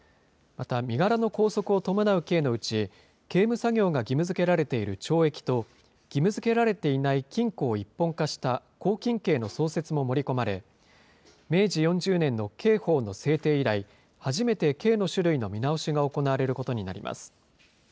また、身柄の拘束を伴う刑のうち、刑務作業が義務づけられている懲役と、義務づけられていない禁錮を一本化した拘禁刑の創設も盛り込まれ、明治４０年の刑法の制定以来、初めて刑の種類の見直しが行われることになります。